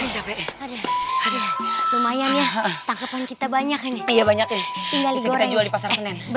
lumayan ya kita banyaknya banyaknya jual di pasar